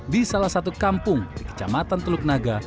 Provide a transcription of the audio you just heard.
di salah satu kampung di kecamatan teluk naga